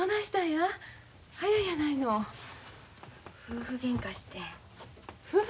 夫婦げんかしてん。